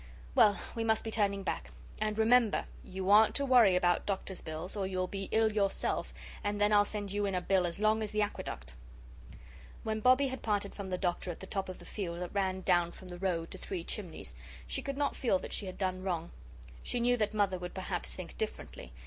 Well, we must be turning back. And, remember, you aren't to worry about doctor's bills or you'll be ill yourself, and then I'll send you in a bill as long as the aqueduct." When Bobbie had parted from the Doctor at the top of the field that ran down from the road to Three Chimneys, she could not feel that she had done wrong. She knew that Mother would perhaps think differently.